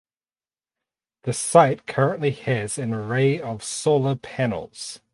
The site currently has an array of solar panels.